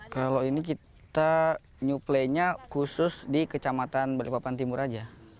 kalau ini kita new play nya khusus di kecamatan balikpapan timur aja